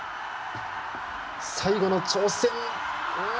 最後の挑戦。